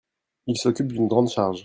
Il s'occupe d'une grande charge.